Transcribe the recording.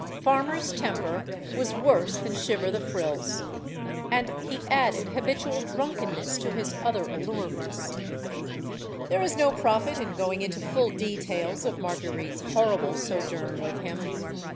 Farmer's temper was worse than Shiver the Frills.* And he added habitual drunkenness to his other allurements. There is no profit in going into full details of Mar 208 STORIES OF THE SUPER WOMEN guerite's horrible sojourn with him.